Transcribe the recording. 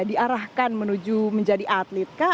diarahkan menuju menjadi atlet kah